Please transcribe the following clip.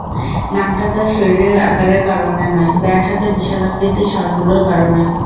নামটা তাঁর শরীরের আকারের কারণে নয়, ব্যাট হাতে বিশালাকৃতির শটগুলোর কারণে।